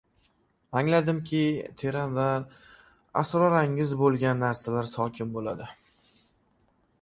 Angladimki, teran va asrorangiz bo‘lgan narsalar sokin bo‘ladi.